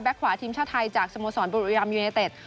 ขวาทีมชาติไทยจากสโมสรบุรีรัมยูเนเต็ด